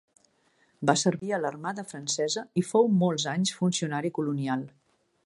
Va servir a l'Armada Francesa i fou molts anys funcionari colonial.